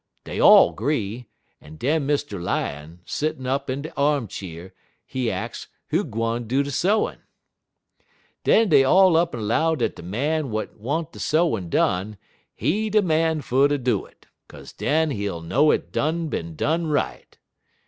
Dey all 'gree, en den Mr. Lion, settin' up in de arm cheer, he ax who gwine do de sewin'. "Den dey all up'n 'low dat de man w'at want de sewin' done, he de man fer ter do it, 'kaze den he ull know it done bin done right.